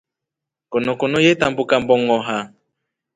Konokone yetambuka mbongʼoha.